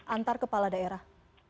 antar kepala daerah